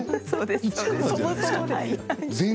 そうです。